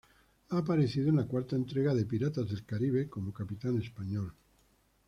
Ha aparecido en la cuarta entrega de "Piratas del Caribe" como capitán español.